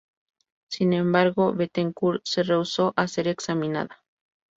Sin embargo, Bettencourt se rehusó a ser examinada.